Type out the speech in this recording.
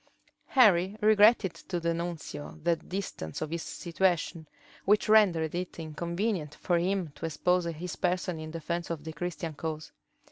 Henry regretted to the nuncio the distance of his situation, which rendered it inconvenient for him to expose his person in defence of the Christian cause.